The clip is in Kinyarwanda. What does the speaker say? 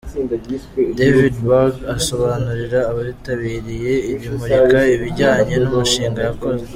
Davidberg asobanurira abitabiriye iri murika ibijyanye n’umushinga yakoze.